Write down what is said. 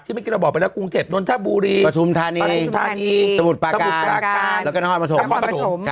ที่มิกิราบอบไปแล้วกรุงเทปนทบูรีประถุมธานีสมุทรปาการแล้วก็น้อยพระถม